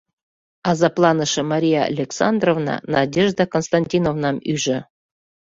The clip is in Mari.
Азапланыше Мария Александровна Надежда Константиновнам ӱжӧ.